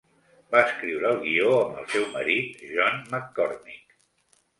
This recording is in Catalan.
Va escriure el guió amb el seu marit John McCormick.